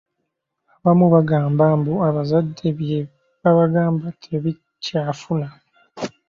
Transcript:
Abamu bagamba mbu abazadde bye babagamba tebikyafuna.